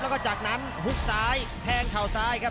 และกันจากนั้นลุกซ้ายแทงเขาซ้ายครับ